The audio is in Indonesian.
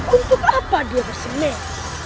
untuk apa dia bersenang